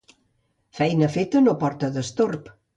Feina feta no porta destorb